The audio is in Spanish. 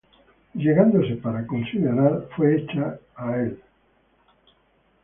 y llegándose para considerar, fué hecha á él voz del Señor: